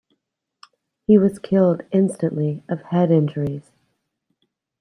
He was killed instantly of head injuries.